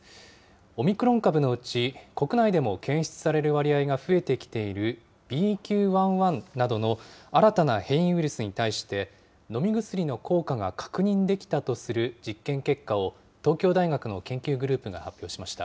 オミクロン株のうち、国内でも検出される割合が増えてきているＢＱ．１．１などの新たな変異ウイルスに対して、飲み薬の効果が確認できたとする実験結果を東京大学の研究グループが発表しました。